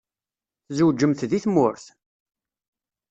Tzewǧemt deg tmurt?